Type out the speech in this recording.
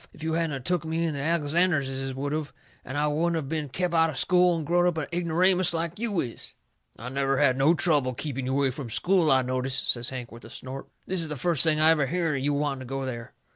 If you hadn't of took me in the Alexanderses would of, and then I wouldn't of been kep' out of school and growed up a ignoramus like you is." "I never had no trouble keeping you away from school, I notice," says Hank, with a snort. "This is the first I ever hearn of you wanting to go there."